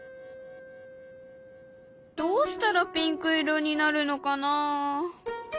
どうしたらピンク色になるのかな。